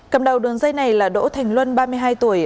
cầm đầu đường dây này là đỗ thành luân ba mươi hai tuổi